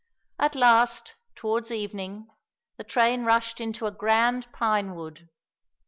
At last, towards evening, the train rushed into a grand pine wood.